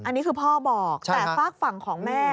อันนี้คือพ่อบอกแต่ฝากฝั่งของแม่